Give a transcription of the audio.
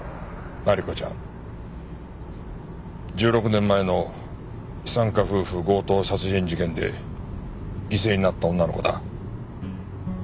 １６年前の資産家夫婦強盗殺人事件で犠牲になった女の子だ。